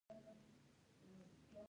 او روان شو پۀ فکرونو او سوچونو کښې لاهو وم